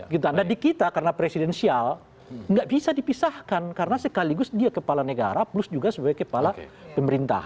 jadi kita karena presidensial nggak bisa dipisahkan karena sekaligus dia kepala negara plus juga sebagai kepala pemerintah